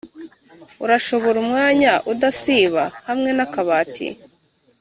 urashobora umwanya udasiba, hamwe n'akabati,